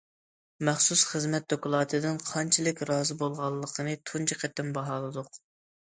مەخسۇس خىزمەت دوكلاتىدىن قانچىلىك رازى بولغانلىقنى تۇنجى قېتىم باھالىدۇق.